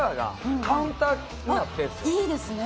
あっいいですね。